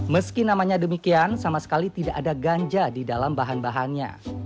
meski namanya demikian sama sekali tidak ada ganja di dalam bahan bahannya